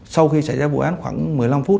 sau khi xảy ra vụ án khoảng một mươi năm phút